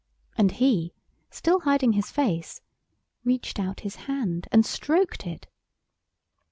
And he, still hiding his face, reached out his hand and stroked it!